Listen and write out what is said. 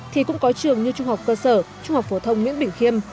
thì cũng có trường như trung học cơ sở trung học phổ thông nguyễn bình khiêm